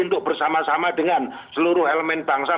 untuk bersama sama dengan seluruh elemen bangsa